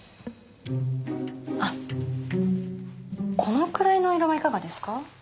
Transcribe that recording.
あこのくらいのお色はいかがですか？